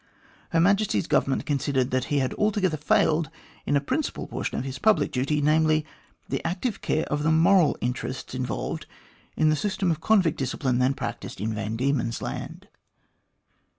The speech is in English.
Her Majesty's Government considered that he had altogether failed in a principal portion of his public duty, namely, the active care of the moral interests involved in the system of convict discipline then practised in Van Diemen's Land.